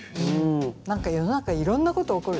何か世の中いろんなこと起こるでしょ。